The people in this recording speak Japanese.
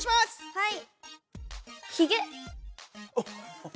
はい。